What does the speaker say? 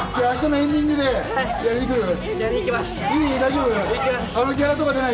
エンディングでやりに来るか？